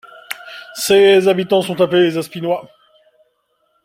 Ses habitants sont appelés les Aspinois.